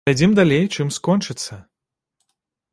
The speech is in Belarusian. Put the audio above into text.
Паглядзім далей, чым скончыцца.